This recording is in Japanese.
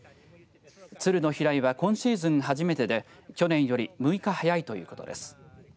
鶴の飛来は今シーズン初めてで去年より６日早いということです。